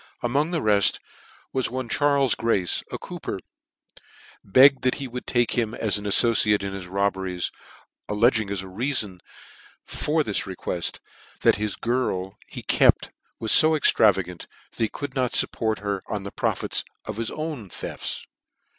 Among the reft, one Charles Grace, a cooper, begged that he would take him as an aflbciare in his robberies, allcdging as a reafon for th;s re quclt, that the girl he kcpr was fo extravagant, that he ou!d not iupport her on the profits of his thcns.